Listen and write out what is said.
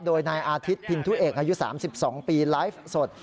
โดยนายอาทิตย์พินทุเอกอายุ๓๒ปีไลฟ์สด